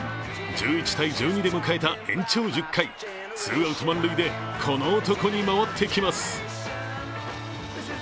１１−１２で迎えた延長１０回、ツーアウト満塁でこの男に回ってきます。